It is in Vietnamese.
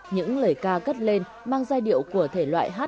những lời ca cất lên mang giai điệu của thể loại hát